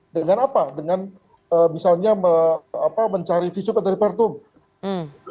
dengan apa dengan misalnya mencari visi dari pertumbuh